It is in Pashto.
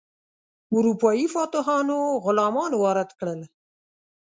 اروپایي فاتحانو غلامان وارد کړل.